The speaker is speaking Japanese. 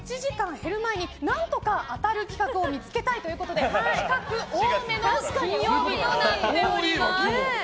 減る前に何とか当たる企画を見つけたいということで企画多めの金曜日となっております。